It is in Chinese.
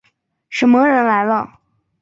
什么人来了？